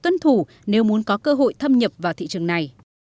nếu muốn có cơ hội thâm nhập vào thị trường này